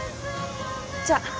じゃあ。